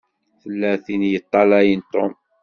Tella tin i yeṭṭalayen Tom.